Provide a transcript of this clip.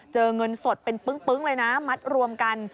เงินสดเป็นปึ้งเลยนะมัดรวมกัน